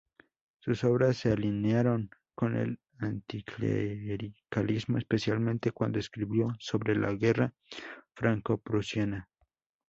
Sus obras se alinearon con el anticlericalismo, especialmente cuando escribió sobre la guerra franco-prusiana.